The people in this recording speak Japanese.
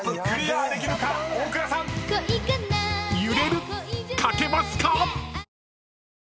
［ユれる書けますか⁉］